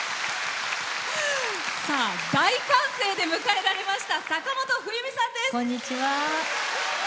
大歓声で迎えられました坂本冬美さんです。